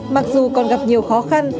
mặc dù còn gặp nhiều khó khăn